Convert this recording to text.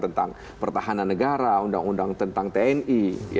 tentang pertahanan negara undang undang tentang tni